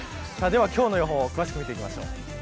今日の予報を詳しく見ていきましょう。